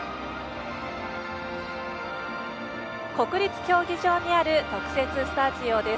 国立競技場にある特設スタジオです。